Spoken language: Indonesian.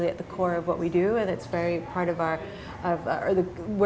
yang sangat penting dalam hal kami